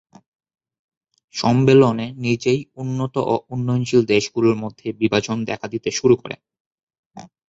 সম্মেলনে নিজেই, উন্নত ও উন্নয়নশীল দেশগুলির মধ্যে বিভাজন দেখা দিতে শুরু করে।